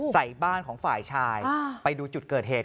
ใส่บ้านของฝ่ายชายไปดูจุดเกิดเหตุ